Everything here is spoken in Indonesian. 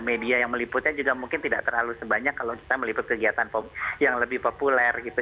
media yang meliputnya juga mungkin tidak terlalu sebanyak kalau kita meliput kegiatan yang lebih populer gitu